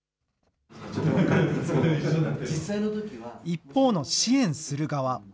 一方の支援する側。